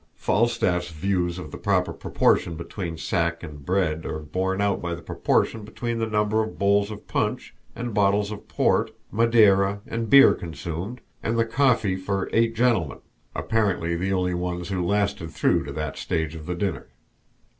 Falstaff's views of the proper proportion between sack and bread are borne out by the proportion between the number of bowls of punch and bottles of port, Madeira, and beer consumed, and the "coffee for eight gentlemen" apparently the only ones who lasted through to that stage of the dinner.